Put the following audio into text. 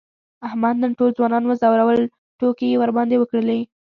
احمد نن ټول ځوانان و ځورول، ټوکې یې ورباندې وکړلې.